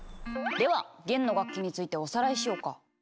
では弦の楽器についておさらいしようか。